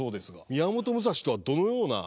宮本武蔵とはどのような？